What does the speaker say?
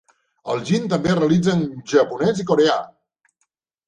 El Jin també es realitza en japonès i coreà.